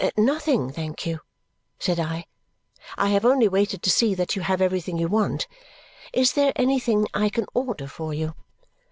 "Nothing, thank you," said I. "I have only waited to see that you have everything you want. Is there anything I can order for you?"